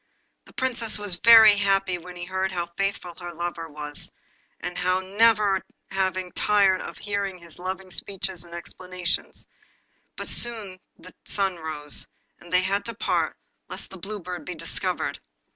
The Princess was very happy when she heard how faithful her lover was, and would never have tired of hearing his loving speeches and explanations, but too soon the sun rose, and they had to part lest the Blue Bird should be discovered.